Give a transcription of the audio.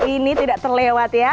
ini tidak terlewat ya